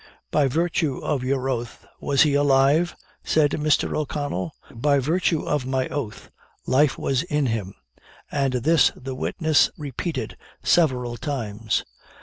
"By virtue of your oath was he alive," said Mr. O'Connell. "By virtue of my oath, life was in him;" and this the witness repeated several times.